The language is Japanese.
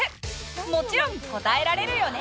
もちろん答えられるよね？